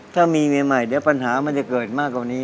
ถ้ามีเมียใหม่เดี๋ยวปัญหามันจะเกิดมากกว่านี้